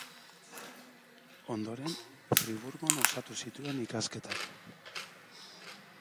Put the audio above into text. Ondoren Friburgon osatu zituen ikasketak.